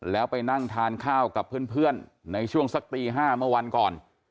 แล้วไปนั่งทานข้าวกับเพื่อนในช่วงสักตี๕เมื่อวันก่อน